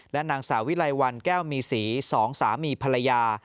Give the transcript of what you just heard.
และนางสาวิลัยวันแก้วมีสีสองสามีภรรยา